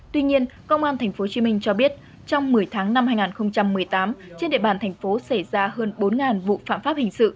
tuy nhiên công an tp hcm cho biết trong một mươi tháng năm hai nghìn một mươi tám trên địa bàn thành phố xảy ra hơn bốn vụ phạm pháp hình sự